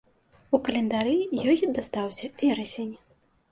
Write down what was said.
У календары ёй дастаўся верасень.